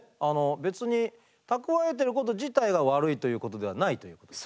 別に蓄えてること自体が悪いということではないということですね。